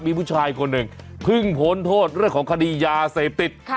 มีผู้ชายคนหนึ่งเพิ่งพ้นโทษเรื่องของคดียาเสพติด